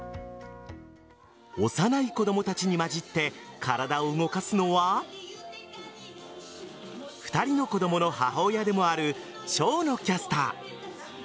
幼い子供たちに交じって体を動かすのは２人の子供の母親でもある生野キャスター。